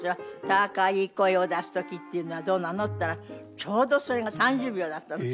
「“高い声を出す時”っていうのはどうなの？」って言ったらちょうどそれが３０秒だったの。